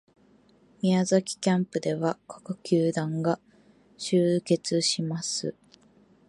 宮崎キャンプでは各球団が集結します